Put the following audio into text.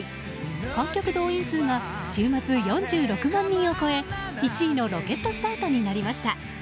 観客動員数が週末４６万人を超え１位のロケットスタートになりました。